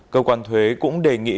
cơ quan thuế cũng đề nghị